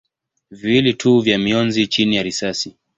viwili tu vya mionzi chini ya risasi.